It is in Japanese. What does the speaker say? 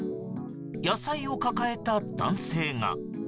野菜を抱えた男性が。